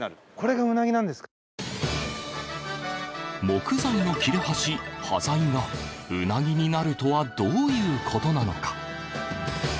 木材の切れ端、端材がうなぎになるとはどういうことなのか？